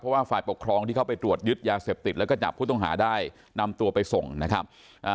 เพราะว่าฝ่ายปกครองที่เขาไปตรวจยึดยาเสพติดแล้วก็จับผู้ต้องหาได้นำตัวไปส่งนะครับ